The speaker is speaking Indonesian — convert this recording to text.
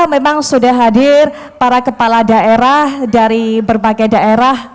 memang sudah hadir para kepala daerah dari berbagai daerah